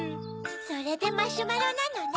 それでマシュマロなのね。